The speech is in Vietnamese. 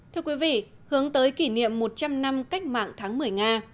thưa quý vị hướng tới kỷ niệm một trăm linh năm cách mạng tháng một mươi nga